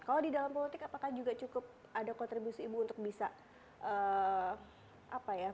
kalau di dalam politik apakah juga cukup ada kontribusi ibu untuk bisa apa ya